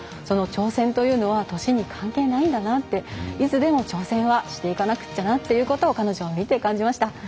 その挑戦というのは年に関係ないんだなっていつでも挑戦はしていかなくっちゃなということを彼女を見て感じました。